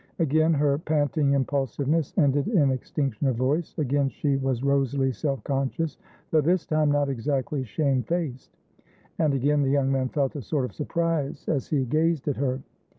Again her panting impulsiveness ended in extinction of voice, again she was rosily self conscious, though, this time, not exactly shamefaced; and again the young man felt a sort of surprise as he gazed at her.